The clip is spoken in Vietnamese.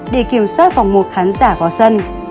để kiểm soát vòng một khán giả vào sân